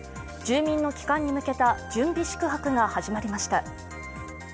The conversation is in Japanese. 住民の帰還に向けた準備宿泊が始まりました。